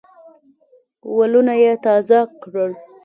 ولونه یې تازه کړل.